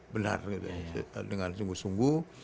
benar dengan sungguh sungguh